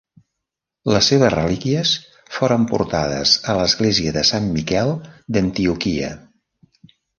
Les seves relíquies foren portades a l'església de Sant Miquel d'Antioquia.